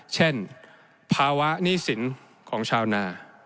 เช่นภาวะหนี้สินของชาวนา